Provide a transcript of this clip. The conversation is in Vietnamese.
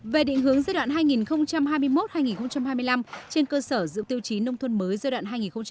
về định hướng giai đoạn hai nghìn hai mươi một hai nghìn hai mươi năm trên cơ sở dự tiêu chí nông thôn mới giai đoạn hai nghìn hai mươi một hai nghìn hai mươi